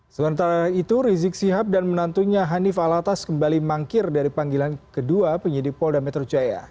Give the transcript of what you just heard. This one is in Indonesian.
sementara itu rizik sihab dan menantunya hanif alatas kembali mangkir dari panggilan kedua penyidik polda metro jaya